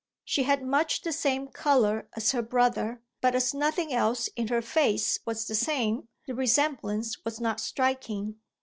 She had much the same colour as her brother, but as nothing else in her face was the same the resemblance was not striking.